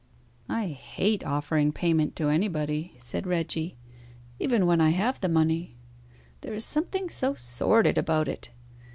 "I hate offering payment to anybody," said Reggie. "Even when I have the money. There is something so sordid about it.